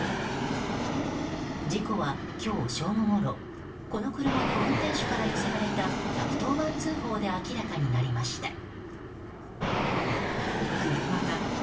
事故は今日正午ごろこの車の運転手から寄せられた１１０番通報から明らかになりました。